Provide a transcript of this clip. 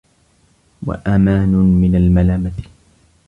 وَأَمَانٌ مِنْ الْمَلَامَةِ